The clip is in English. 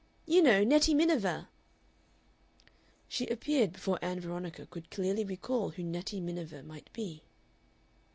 You know Nettie Miniver!" She appeared before Ann Veronica could clearly recall who Nettie Miniver might be.